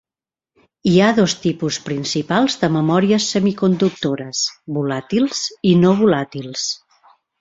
Hi ha dos tipus principals de memòries semiconductores: volàtils i no volàtils.